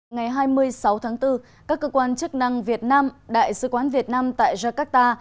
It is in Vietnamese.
ngày hai mươi sáu tháng bốn các cơ quan chức năng việt nam đại sứ quán việt nam tại jakarta